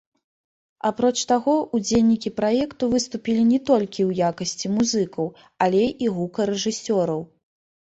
Апроч таго, удзельнікі праекту выступілі не толькі ў якасці музыкаў, але і гукарэжысёраў.